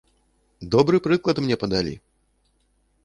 Добры прыклад мне падалі.